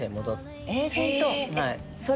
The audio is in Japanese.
はい。